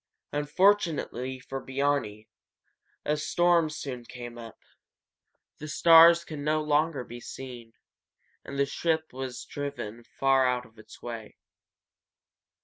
Unfortunately for Biarni, a storm soon came up. The stars could no longer be seen, and his ship was driven far out of its way.